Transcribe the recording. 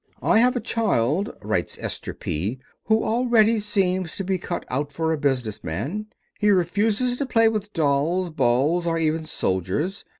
"I have a child," writes Esther P., "who already seems to be cut out for a business man. He refuses to play with dolls, balls, or even soldiers.